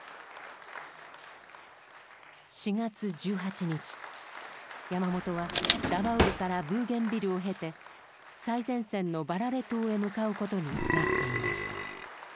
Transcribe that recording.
４月１８日山本はラバウルからブーゲンビルを経て最前線のバラレ島へ向かう事になっていました。